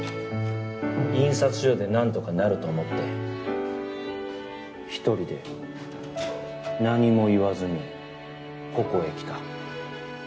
印刷所でなんとかなると思って１人で何も言わずにここへ来た。